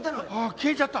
消えちゃった。